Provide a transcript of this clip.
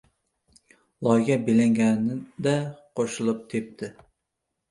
Loyga belangani-da qo‘shilib tepdi.